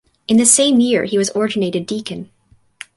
In the same year he was ordinated deacon.